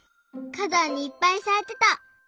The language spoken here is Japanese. かだんにいっぱいさいてた。